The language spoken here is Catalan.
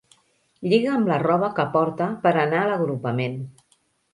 Lliga amb la roba que porta per anar a l'agrupament.